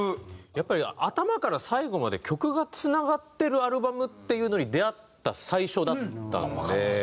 やっぱり頭から最後まで曲がつながってるアルバムっていうのに出会った最初だったんで。